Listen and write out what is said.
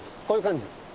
こういう感じ。